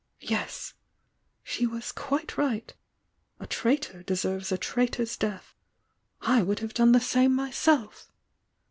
Yes! — she was quite right! — a traitor deserves a traitor's death! — I would have done the same myself!"